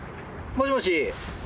もしもし！